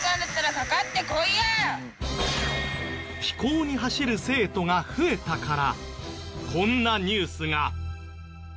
非行に走る生徒が増えたからこんなニュースが。